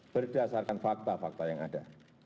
berdasarkan fakta fakta yang ada